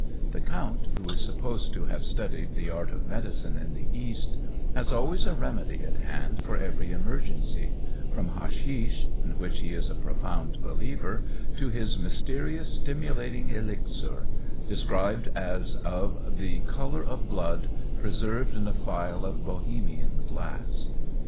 The Count, who is supposed to have studied the art of medicine in the East, has always a remedy at hand for every emergency, from hashish, in which he is a profound believer, to his mysterious stimulating elixir, described as "of the colour of blood, preserved in a phial of Bohemian glass."